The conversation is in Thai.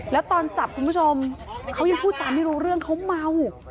แล้วตอนจับคุณผู้ชมเขายังพูดจาไม่รู้เรื่องเขาเมา